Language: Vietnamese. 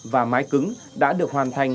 và mái cứng đã được hoàn thành